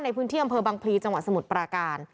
ในพื้นที่อำเภอบังพลีจังหวัดสมุทรปราการ